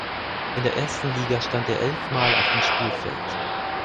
In der ersten Liga stand er elfmal auf dem Spielfeld.